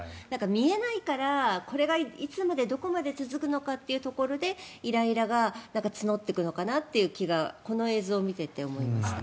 見えないからこれがいつまでどこまで続くのかっていうところでイライラが募ってくるのかなという気がこの映像を見ていて思いました。